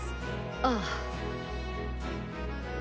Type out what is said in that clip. ああ。